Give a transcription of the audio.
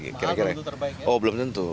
maaf belum tentu terbaik ya